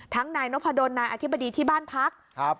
นายนพดลนายอธิบดีที่บ้านพักครับ